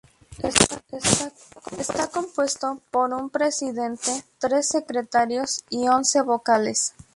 Está compuesto por un presidente, tres secretarios y once vocales.